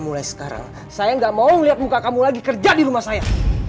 mulai sekarang saya nggak mau melihat muka kamu lagi kerja di rumah saya